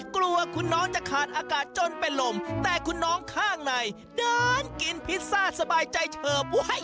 กลัวคุณน้องจะขาดอากาศจนเป็นลมแต่คุณน้องข้างในเดินกินพิซซ่าสบายใจเฉิบ